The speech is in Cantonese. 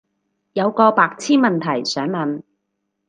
有個白癡問題想問